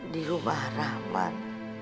di rumah rahman